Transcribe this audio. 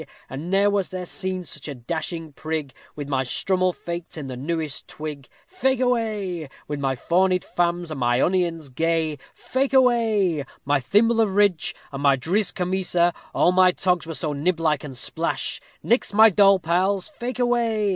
_ And ne'er was there seen such a dashing prig, With my strummel faked in the newest twig. Fake away. With my fawnied famms, and my onions gay, Fake away; My thimble of ridge, and my driz kemesa; All my togs were so niblike and splash, _Nix my doll pals, fake away.